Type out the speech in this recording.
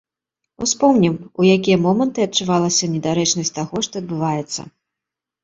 Успомнім, у якія моманты адчувалася недарэчнасць таго, што адбываецца.